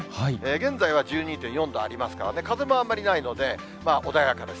現在は１２．４度ありますからね、風もあんまりないので、穏やかです。